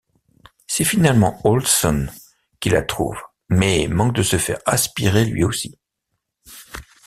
C'est finalement Olsson qui la trouve, mais manque de se faire aspirer lui aussi...